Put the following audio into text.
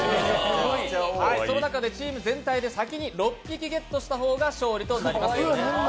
その中でチーム全体で先に６匹ゲットした方が勝利となります。